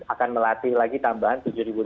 akan melatih lagi tambahan tujuh dua ratus